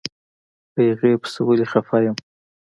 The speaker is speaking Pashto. په هغې پسې ولې خپه يم.